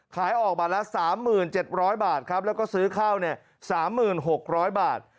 ขายออกบาทละ๓๗๐๐บาทครับแล้วก็ซื้อข้าว๓๖๐๐บาท